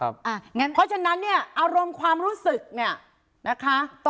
เพราะฉะนั้นเนี่ยอารมณ์ความรู้สึกเนี่ยนะคะ